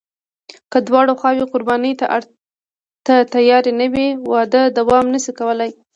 که دواړه خواوې قرباني ته تیارې نه وي، واده دوام نشي کولی.